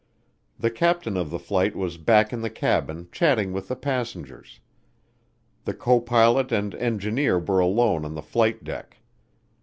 The captain of the flight was back in the cabin chatting with the passengers; the co pilot and engineer were alone on the flight deck.